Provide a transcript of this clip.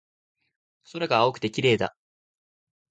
空が青くて綺麗だ